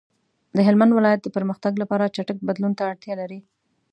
د هلمند ولایت د پرمختګ لپاره چټک بدلون ته اړتیا لري.